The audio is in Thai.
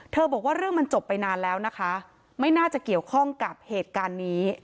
บอกว่าเรื่องมันจบไปนานแล้วนะคะไม่น่าจะเกี่ยวข้องกับเหตุการณ์นี้